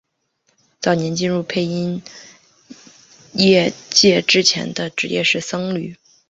早年进入配音业界之前的职业是僧侣。